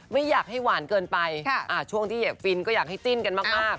ไม่อยากให้หวานเกินไปช่วงที่อยากฟินก็อยากให้จิ้นกันมาก